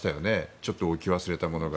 ちょっと置き忘れたものが。